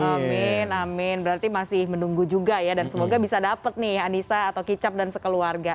amin amin berarti masih menunggu juga ya dan semoga bisa dapat nih anissa atau kicap dan sekeluarga